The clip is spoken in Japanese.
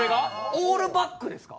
オールバックですか？